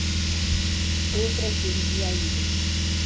Eu preciso de ajuda.